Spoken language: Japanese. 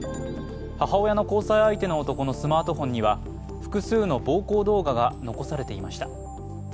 母親の交際相手の男のスマートフォンには複数の暴行動画が残されていました。